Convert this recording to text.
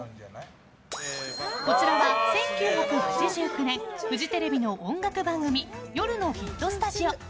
こちらは１９８９年フジテレビの音楽番組「夜のヒットスタジオ」。